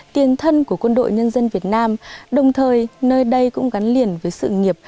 tiền thân của quân đội nhân dân việt nam đồng thời nơi đây cũng gắn liền với sự nghiệp